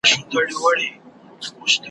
په ښایستو بڼو کي پټ رنګین وو ښکلی ,